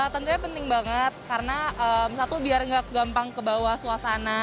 tentunya penting banget karena satu biar nggak gampang kebawa suasana